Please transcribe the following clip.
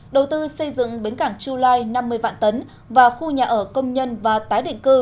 đầu tư xây dựng bến cảng chu lai năm mươi vạn tấn và khu nhà ở công nhân và tái định cư